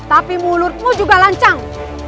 tapi mulutmu juga lancang